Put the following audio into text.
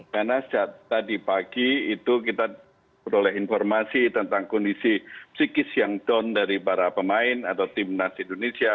karena sejak tadi pagi itu kita peroleh informasi tentang kondisi psikis yang down dari para pemain atau tim nasi indonesia